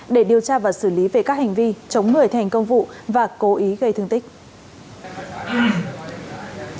để điều tra và xử lý về các hành vi chống người thành công vụ và cố ý gây thương tích